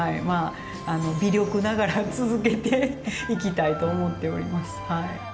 微力ながら続けていきたいと思っております。